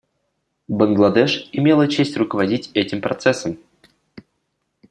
Бангладеш имела честь руководить этим процессом.